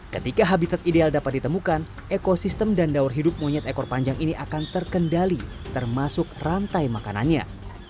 ketika habitat ideal dapat ditemukan ekosistem dan daur hidup monyet ekor panjang ini akan terkendali termasuk rantai makanannya